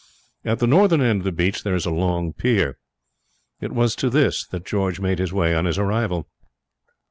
At the northern end of the beach there is a long pier. It was to this that George made his way on his arrival.